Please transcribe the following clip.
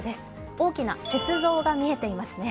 大きな雪像が見えていますね。